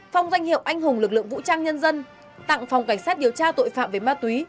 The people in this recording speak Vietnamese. phong danh hiệu anh hùng lực lượng vũ trang nhân dân tặng phòng cảnh sát điều tra tội phạm về ma túy